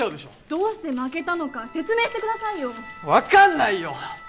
どうして負けたのか説明してくださいよ分かんないよ！